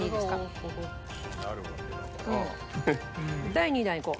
第２弾いこう。